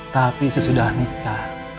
tapi sesudah nikah